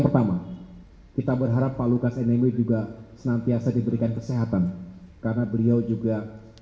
pertama kita berharap pak lukas nmb juga senantiasa diberikan kesehatan karena beliau juga